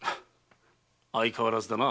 相変わらずだな。